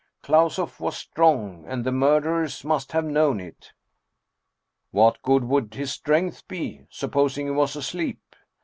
Klausoff was strong, and the murderers must have known it!" " What good would his strength be, supposing he was asleep?"